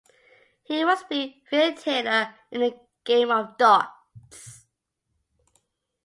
He once beat Phil Taylor in a game of darts.